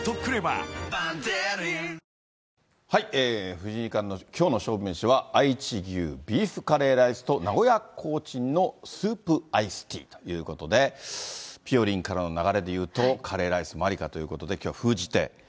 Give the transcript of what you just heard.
藤井二冠のきょうの勝負メシは、あいち牛ビーフカレーライスと名古屋コーチンのスープ、アイスティーということで、ぴよりんからの流れで言うと、カレーライスもありかということで、きょうは封じ手。